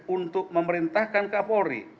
untuk memerintahkan kapolri